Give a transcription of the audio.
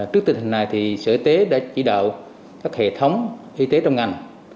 trước tình hình này sở y tế đã chỉ đạo các hệ thống y tế trong ngành